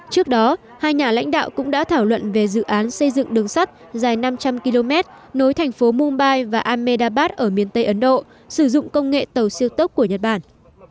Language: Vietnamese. trước đó hai nhà lãnh đạo cũng đã thảo luận về dự án xây dựng đường sắt dài năm trăm linh km nối thành phố mumbai và amedabas ở miền tây ấn độ sử dụng công nghệ tàu siêu tốc của nhật bản